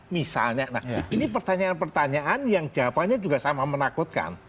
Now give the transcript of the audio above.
misalnya nah ini pertanyaan pertanyaan yang jawabannya juga sama menakutkan